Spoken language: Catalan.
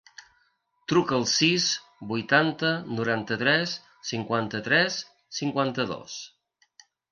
Truca al sis, vuitanta, noranta-tres, cinquanta-tres, cinquanta-dos.